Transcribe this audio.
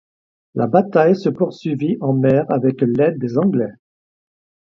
La bataille se poursuivit en mer avec l'aide des Anglais.